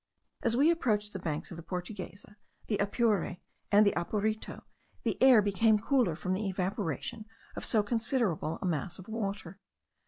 As we approached the banks of the Portuguesa, the Apure, and the Apurito, the air became cooler from the evaporation of so considerable a mass of water.